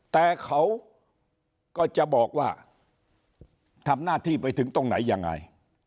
แต่เขาก็จะบอกว่าทำหน้าที่ไปถึงตรงไหนยังไง